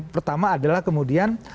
pertama adalah kemudian